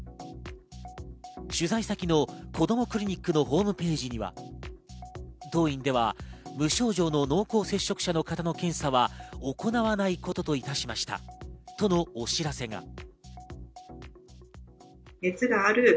取材先のこどもクリニックのホームページには、当院では無症状の濃厚接触者の方の検査は行わないことといたしましたとのお知らせが。